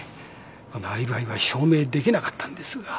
このアリバイは証明できなかったんですが。